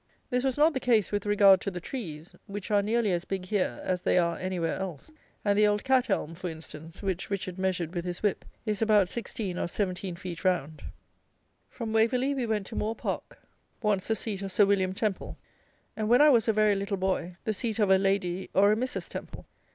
This was not the case with regard to the trees, which are nearly as big here as they are anywhere else; and the old cat elm, for instance, which Richard measured with his whip, is about 16 or 17 feet round. From Waverley we went to Moore Park, once the seat of Sir William Temple, and when I was a very little boy, the seat of a Lady, or a Mrs. Temple.